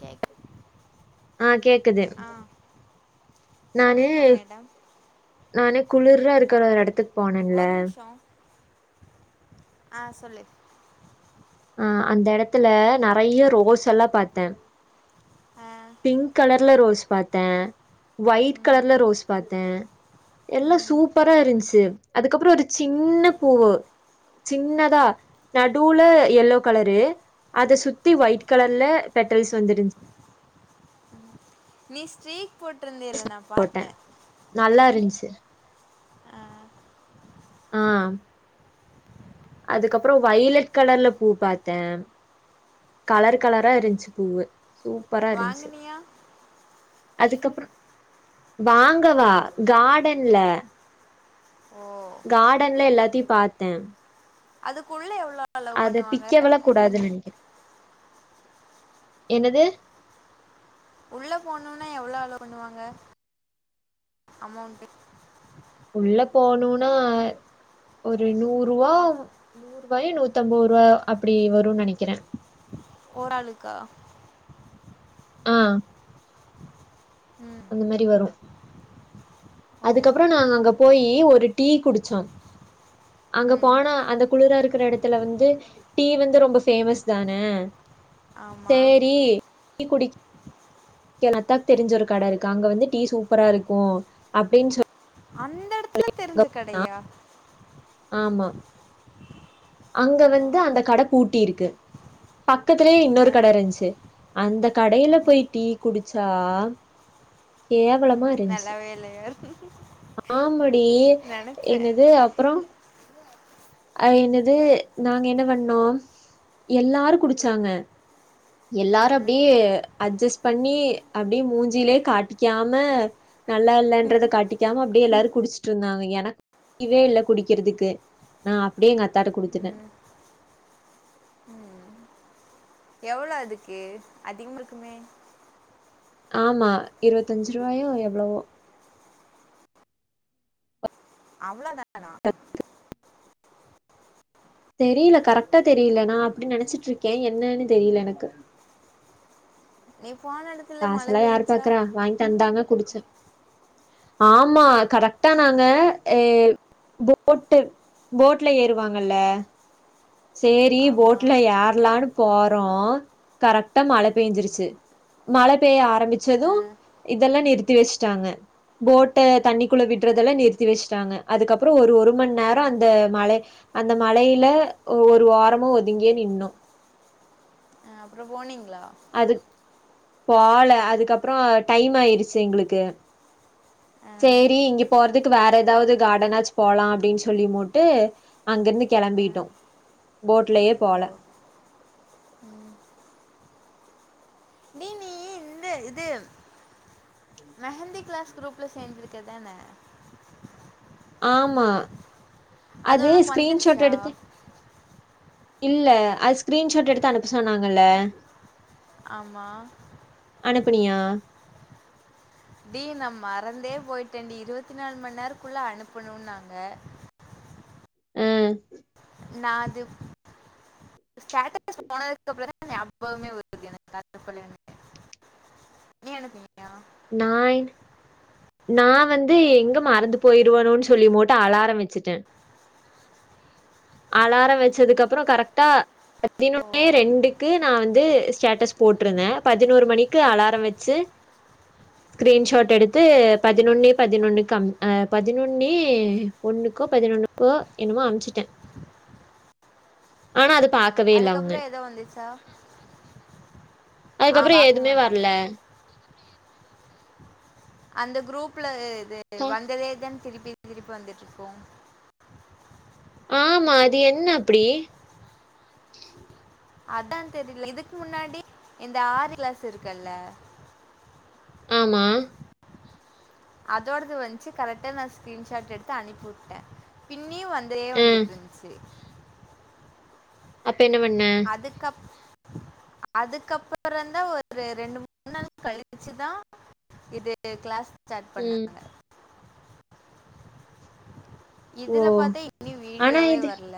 Cake ஆ கேக்குது ஆ நானே சொல்லுங்கள் மேடம் நானே குளிரா இருக் க்கற எடத் போனல்ல ஒரு நிமிஷம் ஆ சொல்லு ஆ அந்த எடத்துல நெறைய ரோஸ் எல்லா பாத்தே ஆ பிங்க் கலர்ல ரோஸ் பாத்தே ஒயிட் ம் கலர்ல ரோஸ் பாத்தே எல்லா ம் சூப்பரா இருந்ச்சி அதுக்கப்புறோ ஒரு சின்ன பூவு சின்னதா நடுவுல எல்லோ கலரு அத சுத் த்தி ஒய்ட் கலர்ல பெட் ட்டல்ஸ் வந்துருஞ்ச் நீ ஸ்டிரி போட்டிருந்தேல்ல நா பாத்தே சி ஆ அதுக்கப்புறோ ஒய்லட் கலர்ல பூ பாத்தே கலர் கலரா இருந்துச்சி பூவு சூப்பரா இருந்துச்சி வாங்குனியா அதுக்கப்புறோ வாங்கவா கார்டன்ல ஓ கார்டன்ல எல்லாதியு பாத்தே அதுக்குள்ள எவ் அத பிக்கவல்ல கூடாது நெனைக்கிறே என்னது உள்ள போணுனா எவ்ளோ அளவ் பண்ணுவாங்க அமௌண்ட் உள்ள போனுன்னா ஒரு நூறு ரூவா நூறு ரூவாயு நூத்தம்ப ரூவா அப்பிடி வரு ஓராளுக்கா ஆ ம் அந்த மாரி வரு ஓ அதுக்கப்புறோ நாங்க அங்க போயி ஒரு ஒரு டீ குடிச்சோ அங்க ம் போனா அந்த குளிரா இருக் க்கிற எடத்துல வந்து டீ வந்து ரொம்ப பேமஸ் தான ஆமாம் சேரி டீ குடிக் க்கனத்தா தெரிஞ்ச ஒரு கட இருக்கா அங்க வந்து டீ சூப்பரா இருக்கு அப்பிடின் சொல் அந்த எடத் த்துல தெரிஞ்ச கடையா ஆமா அங்க ஓ வந்து அந்த கட பூட்டிருக்கு பக்கத்திலியே ஆ இன்னொரு கட இருந்துச்சி அந்த கடையில போய் டீ குடிச்சா கேவ ம் வலமா இருந்ச்சி நல்லாவே இல்லையா ஆமடி நினச்சேன் என்னது அப்புறோ அ என்னது நாங்க என்ன பண்ணோ எல்லாரு குடிச்சாங்க எல்லாரும் ஆ அப்பிடியே அட்ஜஸ் பண்ணி அப்பிடியே மூஞ்சிலே காட்டிக்காம நல்லா இல்லன்றத காட்டிக்காம அப்பிடியே எல்லாரு குடிச்சுட்டு இருந்தாங்க புடிக்கவே இல்ல குடிக்கிறதுக்கு நா அப்பிடியே எங்க அத்தாட்ட குடுத்துட்டே எவ்ளோ அதுக்கு அதிகமா இருக்குமே ஆமா இருவத்தஞ்சு ரூவாயோ எவ்ளவோ அவ்ள தானா தெரியல கரெக்டா தெரியல நா அப்பிடின் நெனச்சிட்டு இருக்கே என்னென் தெரியல எனக்கு நெ காசல்லா யாரு பாக்கறா வாங்கி தந்தாங்க குடிச்ச ஆமா கரெக்டா நாங்க ஏ போட்டு போட்ல ஏறுவாங்கல்ல சேரி ஆமாம் போட்ல யாரலான் போறோ கரெக்டா மழ பெஞ்சிருச்சு மழ பெய்ய ஆரம்பிச்சது இதெல்லா நிறுத்தி வச்சிட்டாங்க போட்ட தண்ணிக்குள்ள விடுறதெல்லா நிறுத்தி வச்சிட்டாங்க அதுக்கப்புறோ ஒரு ஒரு மணி நேரம் அந்த மழ அந்த மழையில ஒரு ஓரமா ஒதுங்கியே நின்னோ அ அப்புறோ போனீங் ங்கலா அது போல அதுக்கப்புறோ டைம் ஆயிருச்சி எங்களுக்கு அஹ், சேரி இங்க போறதுக்கு வேற ஏதாவது கார்டனாச்சி போலா அப்பிடின் சொல்லிமுட்டு அங்கிருந்து அஹ், கெளம்பிட்டோ போட்லயே ஓ போல இந்து இது மெஹந்தி கிளாஸ் குரூப்ல சேந்துருக்கதான ஆமா அது ஒனக்கு ஸ்கிரீன்ஷாட் வந்துருச்சா எடுத்து இல்ல அது ஸ்கிரீன்ஷாட் எடுத்து அனுப்ப சொன்னாங்கல்ல ஆமா அனுப்பனியா டி நா மறந்தே போயிட்டேடி இருவத்தி நாலு மணி நேரக்குள்ள அனுப்பனுனாங்க அ நா அதுப் ஸ்டேட்டஸ் போனதுக்குப்புறோ தா நெயாபகமே வருது எனக்கு [unintelligible] நீ அனுப்பினியா நாயி நா வந்து எங்க மறந்து போயிருவனோன் சொல்லி மோட்டு அலாரம் வச்சிட்டே அலாரோ வச்சதுக்கப்புறோ கரெக்டா பதினொன்னே ஓ ரெண்டுக்கு நா வந்து ஸ்டேட்டஸ் போட்டிருந்தே பதினோரு மணிக்கு அலாரோ வச்சி ஸ்கிரீன்ஷாட் எடுத் த்து பதினொன்னே பதினொன்னுக்கு ஆ பதினொன்னு ஒன்னுக்கோ பதினொன்னுக்கோ என்னமோ அமுச்சிட்டே ஆனா அதுக் ஆ அதுக்கப்புறோ ஏதோ வந்துச்சா ஆ அதுக்கப்புறோ பார்க்க எதுமே மாட்டாங்க வரல அந்த குரூப்ல அ து தா வந்ததே தன் திருப்பி திருப்பி வந்துட்ருக்கு ஆமா அது என்ன அப்படி அதா தெரில இதுக்கு முன்னாடி இந்த ஆறு கிளாஸ் இருக்குல்ல ஆமா அதோடது வந்துச்சு கரெக்டா நா ஸ்கிரீன்ஷாட் எடுத்து அனுப்பி விட்டே பின் இனியு வந்துரே அ. வந்துட்டு இருந்துச்சு அப்ப என்ன பண்ண? அதுக்கப் அதுக்கப்புறம்ந்தா ஒரு ரெண்டு மூணு நாள் கழிச்சுதா இது கிளாஸ் ஸ்டாட் ம். பண்ணாங்க ஓ! இதுல பாத்தா இனி ஆனா வீடியோவே இது வரல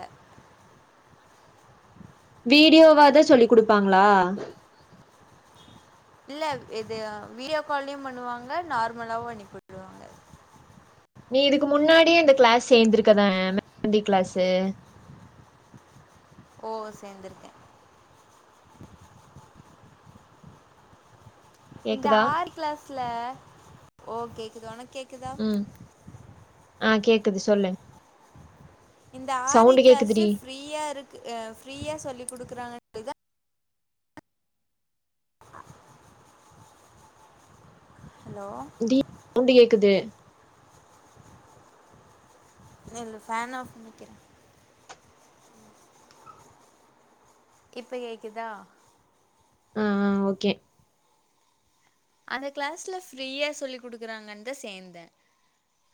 வீடியோவாத சொல்லி கொடுப்பாங்களா இல்ல இது வீடியோ காலயு பண்ணுவாங்க நார்மலாவு அணுப்பிவிட்ருவாங்க நீ இதுக்கு முன்னாடியே அந்த கிளாஸ் சேர்ந்திருக்கதான மேந்தி கிளாஸு ஓ சேந்திருக்கே இந்த கேக்குதா? ஆறு கிளாஸ்ல ஓகே துக்கான கேட்குதான் ம். ஆ கேக்குது சொல்லு இந்த ஆறி சவுண்டு கிளாஸு கேக்குதுடி. ஃபிரியா இருக்கு ஃபிரியாசொல்லிக் குடுக்குறாங்க இத ஹலோ ண்டு கேக்குது இல்ல ஃபேன் ஆப் பண்ணிக்கிறே இப்ப கேக்குதா ஆ ஆ ஓகே அதுக் கிளாஸ்ல ஃபிரியா சொல்லிக் குடுக்குறாங்கன்தா சேந்தே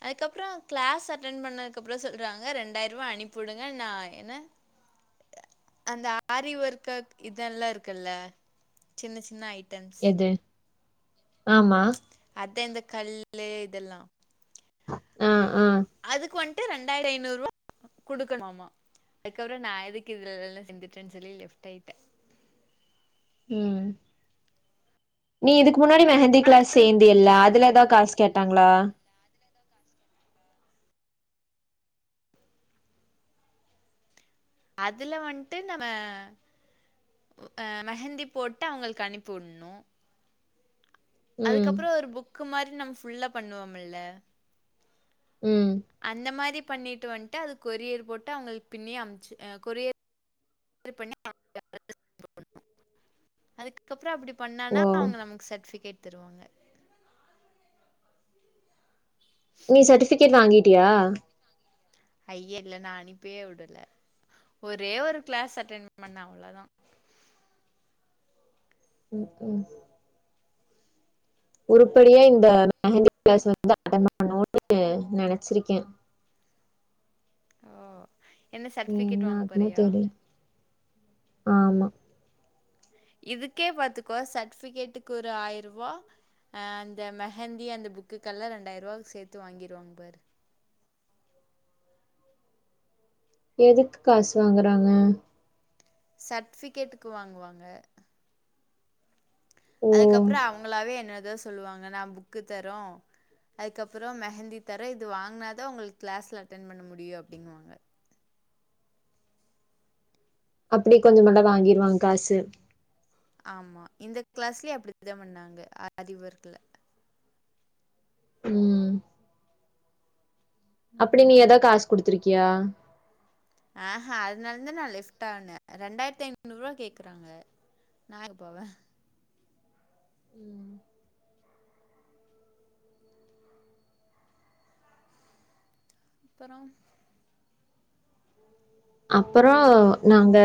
அதுப்றோ கிளாஸ் அட்டன் பன்னதுக்கப்றோ சொல்றாங்க ரெண்டாயிர் ரூபா அனுப்பி விடுங்க நா என்ன அந்த ஆரி ஒர்கு இதல்லா இருக்குல்ல சின்ன சின்ன ஐ எது ஆமா தே இந்த கல்லு இது எல்லா ஆ ஆ. அதுக்கு வந் ட்டு இரண்டாயிரத்தி ஐநூறு ரூவா குடுக்கணுமாமா அதுக்கு அப்புறோ நா எதுக்குது இல்ல்ல லென்ட்டு சொல்லி லெஃப்ட் ஆயிட்டே ம் நீ இதுக் முன்னாடி மெஹந்தி ஒனக்கு கிளாஸ் அந்த சேந்து மாரி எல்லா இன்ட்ரெஸ்ட் அதுலதா இருக்காடி காசு கேட்டாங்களா அதுல வன்ட்டு நம்ம அ மெஹந்தி போட்டு அவுங்களுக்கு அனுப்புனு அதுக்கு ம். அப்புறோ ஒரு புக் க்கு மாரி நம்ம ஃபுல்லா பண்ணுவோ மில்ல ம். அந்த மாரி பண்ணிட்டு வன்ட்டு அது கொரியர் போட்டு அவுங்களுக்கு பின்னி அமிச்சி அ கொரியர் பண்ணி [unintelligible] அதுக்க அப்புறோ அப்பிடி பண்ணானா ஓ! அவுங்க நமக்கு சர்ட்டிஃபிகேட் திருவாங்க நீ சர்டிஃபிகேட் வாங்கி ட்டியா ஐய்ய இல்ல நா அனுப்பேவுடல ஒரே ஒரு கிளாஸ் அட்டன் பண்ணா அவ்ளவுதா ம் ம் உருப்பிடியா இந்த மெஹந்தி கிளாஸ் வந்து அட்டன் பண்ணனு நெனச்சிருக்கே ஓ என்ன நீ சர்ட்டிஃபிகேட் என்ன வாங்க ஆகுமோ போறியா தெரியல ஆமா இதுக்கே பாத்துக்கோ சர்டிஃபிகேட்டுக்கு ஒரு ஆயிரரூவா அ அந்த மெஹந்தி அந்த புக்குக்கு எல்லாம் இண்டாயிரரூவா சேத்து வாங்கிருவாங்க பாரு எதுக்கு காசு வாங்கறாங்க சர்டிஃபிகேட்டுக்கு வாங்குவாங்க ஓ அதுக்கு அப்புறோ அவங்களாவே என்னது த சொல்லுவாங்க நா புக்கு தரோ அதுக்கப்புறோ மெஹந்தி தரோ இது வாங்கனாதா உங்களுக்கு கிளாஸ்ல அட்டன் பண்ண முடியு அப்பிடிங்குவாங்க அப்பிடி கொஞ்சமாட வாங்கிருவாங்க காசு ஆமா இந்த கிளாஸ்லயே அப்பிடிதா பண்ணாங்க அதிபர்கள ம் அப்டி நீ எதா காஸ் குடுத்துருக்கியா ஆஹ் அதனாலதா நா லெப்ட் ஆனே ரெண்டாயிரத்தி ஐநூறு ரூவா கேக்குறாங்க நா எங்க போவே ம் அப்புறோ அப்புறோ நாங்க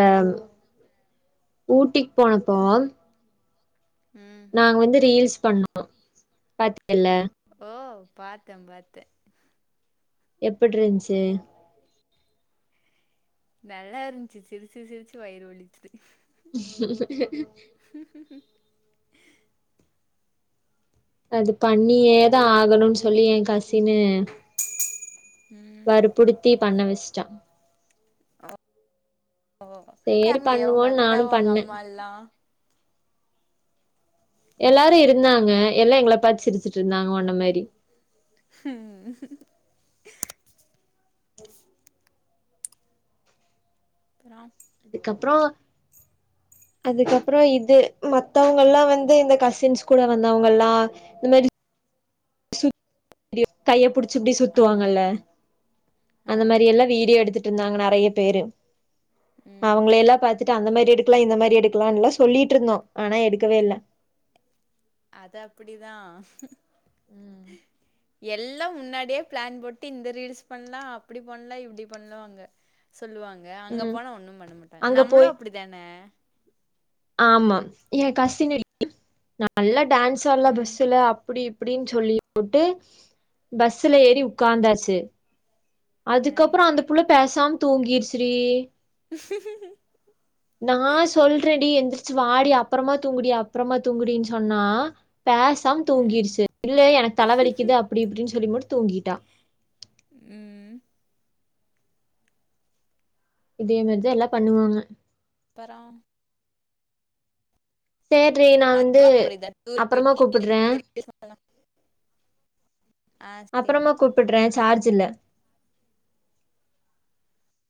ஊட்டிக்கு போனப்போ ம். நாங்க வந்து ரீல்ஸ் பண்ணோ பாத்தல்ல ஓ பாத்தே பாத்தே எப்பட்ருந்துச்சு நல்லா இருந்துச்சு சிரிச்சு சிரிச்சு வயிறு வலிச்சிது [unintelligible] அது பண்ணியே தா ஆகணும்னு சொல்லி எ காஸ் ஸ்ஸினு ம். வற்புறுத்தி பண்ணவச்டா ஓ [inaudible] உங்க பண்ணுவோன்னு அத்த நானு உங்க பண்ண அம்மால்லா எல்லாரும் இருந்தாங்க எல்லாரு இருந்தாங்க எல்லா எங்கள பாத்து சிருச்சுட்டு இருந்தாங்க ஒன்ன மாரி உ அப்றோ அதுக்கப்புறோ அதுக்கப்புறோ இது மத்தவங்கல்லா வந்து இந்த கசின்ஸ் கூட வந்தவங்கல்லா‌ இந்த மாரி [unintelligible] கையப்பிடிச் ச்சு ஆமா. சுத்துவாங்கள்ள ஆ. அந்த மாரி எல்லா வீடியோ எடுத்து ருந்தாங்க நறையா பேரு ம். அவங்கள எல்லா பாத்துட் டு அந்த மாரி எடுக்கலா இந்த மாரி எடுக்கலா எல்லா சொல்லிட்டு இருந்தோ ஆனா எடுக்கவே இல்ல அது அப்படிதா உ எல்லா முன்னாடியே பிளான் போட்டு இந்த ரீல்ஸ் பண்லா அப்டி பண்லா இப்டி பண்லா ஆங்க சொல்லுவாங்க அங்க ம் போனா ஒண்ணு பண்ண மாட்டாங்க அங்க நம்மளு போய் அப்டித்தான ஆமா எ கஸினடி நல்லா டான்ஸ் ஆட்லா ம். பஸ்ஸுல அப்டி இப் அப்டின்னு சொல்லிபுட்டு பஸ்ல ஏறி உக்காந்தாச்சு அ. அதுக்கப்புறோ அந்த புல பேசாம தூங்கிருச்ரி நா சொல்றே டி ஏந்ரி சுவாடி அப்புறமா தூங்குடி அப்புறமா தூங்குடின்னு சொன்னா பேசாம் தூங்கிருச்சு இல்ல எனக்கு தலைவலிக்குது அப்டி இப்டின்னு சொல்லி முட்டு தூங்கிட்டா உ உ இதே மாரிதா எல்லா பண்ணுவாங்க அப்பரோ சேர்டி நா வந்து அப்படிதான் டூர் அப்புறமா போயிட்டு இந்த கூப்பிட்றே இந்த ரீல்ஸ் பண்ணலாம். ஆ சரி. அப்புறமா கூப்பிட்றே சார்ஜ் இல்ல